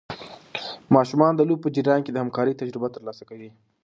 ماشومان د لوبو په جریان کې د همکارۍ تجربه ترلاسه کوي.